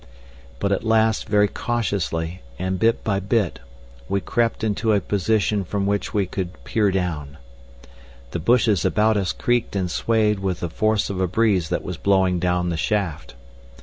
But at last very cautiously and bit by bit we crept into a position from which we could peer down. The bushes about us creaked and waved with the force of a breeze that was blowing down the shaft.